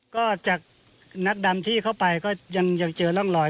ก็จากนักดำที่เข้าไปก็ยังเจอร่องรอย